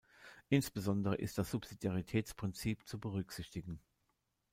Insbesondere ist das Subsidiaritätsprinzip zu berücksichtigen.